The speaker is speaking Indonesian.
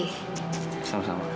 sebaliknyafe oval dalam beers ini